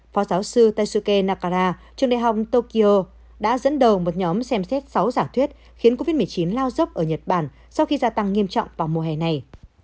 phó giáo sư tetsuke nakara trường đại học tokyo đã dẫn đầu một nhóm xem xét sáu giả thuyết khiến covid một mươi chín lao dốc ở nhật bản sau khi gia tăng nghiêm trọng vào mùa hè này